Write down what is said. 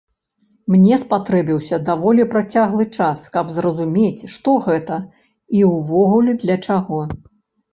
Мне спатрэбіўся даволі працяглы час, каб зразумець, што гэта, і ўвогуле для чаго.